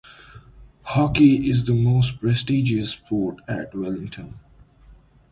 Hockey is the most prestigious sport at Wellington.